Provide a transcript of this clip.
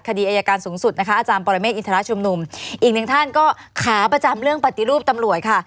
อายการสูงสุดนะคะอาจารย์ปรเมฆอินทรชุมนุมอีกหนึ่งท่านก็ขาประจำเรื่องปฏิรูปตำรวจค่ะ